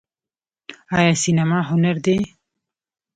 آیا سینما هنر دی؟